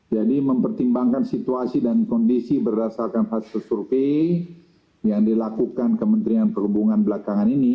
jadi mempertimbangkan situasi dan kondisi berdasarkan fase survei yang dilakukan kementerian perhubungan belakangan ini